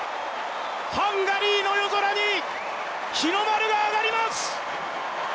ハンガリーの夜空に日の丸が揚がります。